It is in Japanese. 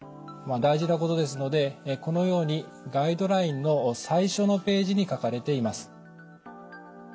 大事なことですのでこのようにガイドラインの最初のページに書かれています。